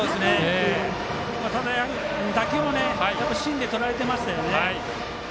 ただ打球芯でとらえてましたよね。